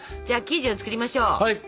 じゃあ生地を作りましょう。